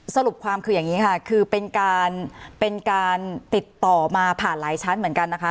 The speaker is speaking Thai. สรุปความคืออย่างนี้ค่ะคือเป็นการเป็นการติดต่อมาผ่านหลายชั้นเหมือนกันนะคะ